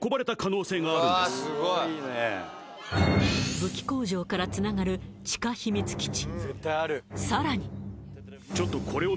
武器工場からつながる地下秘密基地